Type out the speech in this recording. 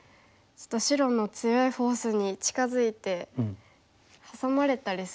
ちょっと白の強いフォースに近づいてハサまれたりすると。